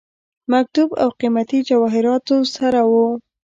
مکتوب او قيمتي جواهراتو ورسره وه.